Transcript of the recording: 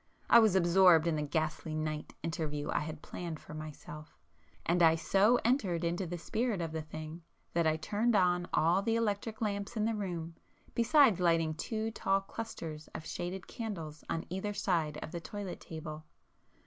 I was absorbed in the ghastly night interview I had planned for myself, and I so entered into the spirit of the thing, that I turned on all the electric lamps in the room, besides lighting two tall clusters of shaded candles on either side of the toilet table.